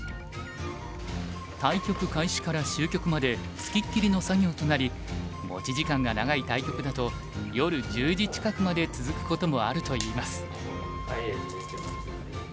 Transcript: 対局開始から終局までつきっきりの作業となり持ち時間が長い対局だと夜１０時近くまで続くこともあるといいます。